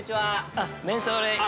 ◆あっ、めんそーれ。